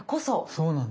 そうなんです。